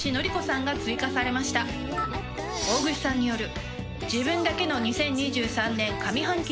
大串さんによる。